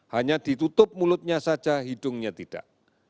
hanya ditutup mulutnya saja hidungnya tidak